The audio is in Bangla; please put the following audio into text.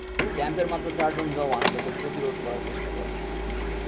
ক্যাম্পের মাত্র চারজন জওয়ান তাদের প্রতিরোধ করার চেষ্টা করেন।